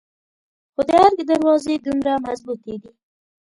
خو د ارګ دروازې دومره مظبوتې دي.